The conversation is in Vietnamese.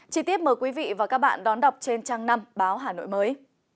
chí tiết mời quý vị và các bạn đón đọc trên trang năm báo hà nội mới